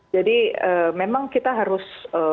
jadi memang kita harus